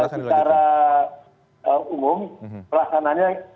nah kalau di dki secara umum pelaksananya